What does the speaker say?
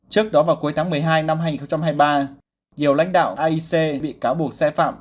trước đó vào cuối tháng một mươi hai năm hai nghìn hai mươi ba nhiều lãnh đạo aic bị cáo buộc sai phạm